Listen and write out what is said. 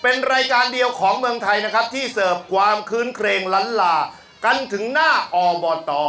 เป็นรายการเดียวของเมืองไทยนะครับที่เสิร์ฟความคืนเครงล้านลากันถึงหน้าอบต